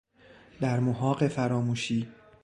در محاق فراموشی